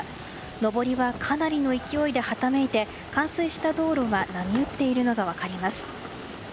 のぼりはかなりの勢いではためいて冠水した道路は波打っているのが分かります。